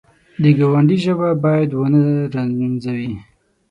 د ګاونډي ژبه باید ونه رنځوي